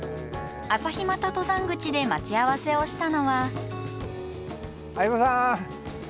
旭又登山口で待ち合わせをしたのは。